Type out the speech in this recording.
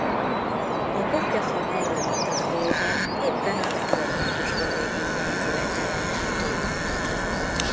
A kopjafa mellől a távolban éppen a református kollégium épülete látható.